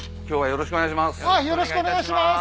よろしくお願いします。